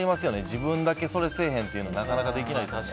自分だけそれをせえへんってなかなかできないですよね。